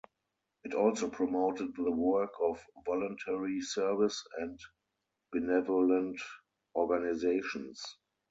It also promoted the work of voluntary service and benevolent organisations.